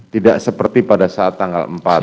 tidak seperti pada saat tanggal empat